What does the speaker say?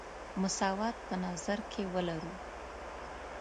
مساوات په نظر کې ولرو.